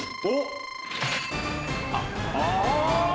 ああ！